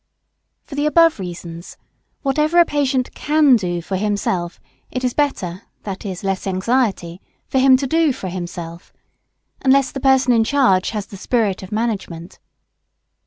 For the above reasons, whatever a patient can do for himself, it is better, i.e. less anxiety, for him to do for himself, unless the person in charge has the spirit of management.